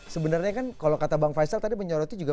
sebenarnya kan kalau kata bang faisal tadi menyoroti juga